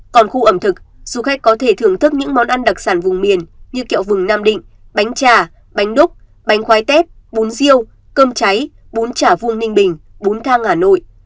còn khu ẩm thực du khách có thể thưởng thức những món ăn đặc sản vùng miền như kẹo vừng nam định bánh trà bánh đúc bánh khoai tép bún riêu cơm cháy bún chả vuông ninh bình bốn thang hà nội